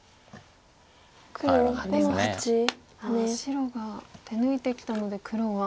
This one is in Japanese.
白が手抜いてきたので黒は。